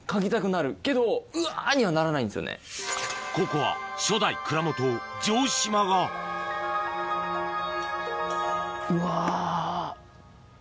ここは初代蔵元城島がうわ。